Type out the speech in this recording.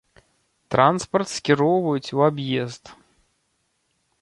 Транспарт скіроўваюць у аб'езд.